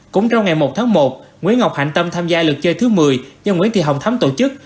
cũng trong ngày một tháng một nguyễn ngọc hạnh tâm tham gia lượt chơi thứ một mươi do nguyễn thị hồng thấm tổ chức